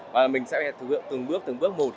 và mình sẽ thực hiện từng bước từng bước một